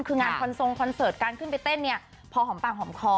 คืองานคอนทรงคอนเสิร์ตการขึ้นไปเต้นเนี่ยพอหอมปากหอมคอ